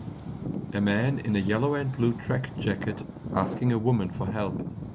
A man in a yellow and blue track jacket asking a woman for help.